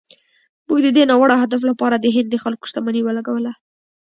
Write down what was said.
موږ د دې ناوړه هدف لپاره د هند د خلکو شتمني ولګوله.